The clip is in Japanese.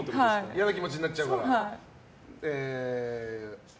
嫌な気持になっちゃうから。